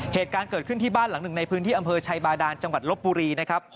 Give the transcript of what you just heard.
เหตุการณ์เกิดขึ้นที่บ้านหลังหนึ่งในพื้นที่อำเภอชัยบาดานจังหวัดลบบุรีนะครับ